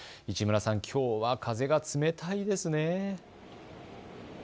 市村さん、きょうは風が冷たいですね。